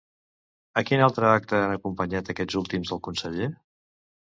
A quin altre acte han acompanyat aquests últims al conseller?